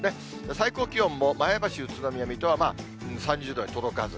最高気温も前橋、宇都宮、水戸は、３０度に届かず。